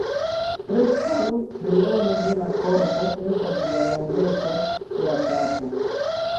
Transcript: Preskaŭ triono de la korpo estas la longeco de la kapo.